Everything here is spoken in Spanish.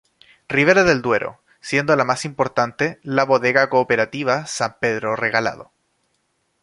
Ribera del Duero, siendo la más importante la Bodega Cooperativa San Pedro Regalado.